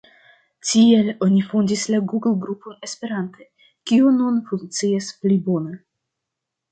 Tial oni fondis la google-grupon esperante, kiu nun funkcias pli bone.